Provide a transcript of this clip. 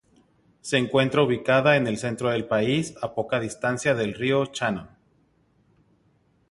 Se encuentra ubicada en el centro del país, a poca distancia del río Shannon.